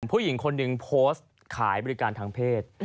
ผู้หญิงคนหนึ่งโพสต์ขายบริการทางเพศ